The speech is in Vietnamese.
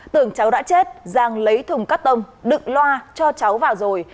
tưởng cháu đã chết giang lấy thùng cắt tông đựng loa cho cháu vào rồi